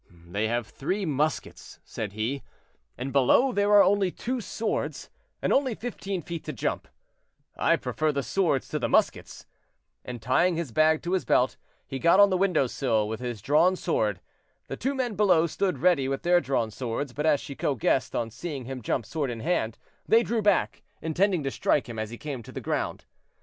"They have three muskets," said he; "and below there are only two swords, and only fifteen feet to jump; I prefer the swords to the muskets." And tying his bag to his belt, he got on the window sill with his drawn sword. The two men below stood ready with their drawn swords, but, as Chicot guessed, on seeing him jump sword in hand, they drew back, intending to strike him as he came to the ground.